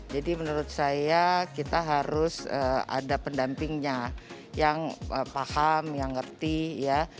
jadi menurut saya kita harus ada pendampingnya yang paham yang ngerti ya